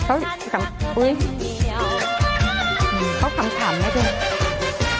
โอ้ยเขาทำถามแล้วเถอะ